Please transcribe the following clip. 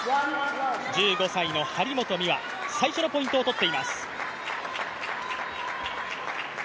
１５歳の張本美和、最初のポイントを取っています。